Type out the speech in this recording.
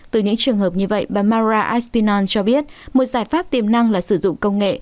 từ những trường hợp như vậy bà mara aspion cho biết một giải pháp tiềm năng là sử dụng công nghệ